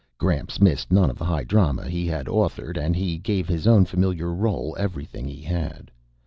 Gramps missed none of the high drama he had authored and he gave his own familiar role everything he had.